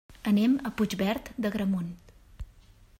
Anem a Puigverd d'Agramunt.